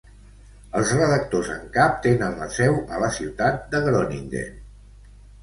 Els redactors en cap tenen la seu a la ciutat de Groningen.